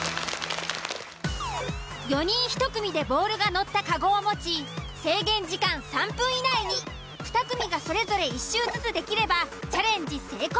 ４人１組でボールが乗ったかごを持ち制限時間３分以内に２組がそれぞれ１周ずつできればチャレンジ成功。